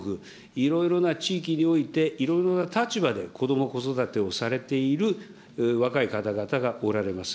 いろいろな地域において、いろいろな立場でこども・子育てをされている若い方々がおられます。